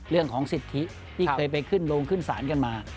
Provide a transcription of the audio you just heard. เรื่องของสิทธิที่เคยไปขึ้นโรงขึ้นศาลกันมา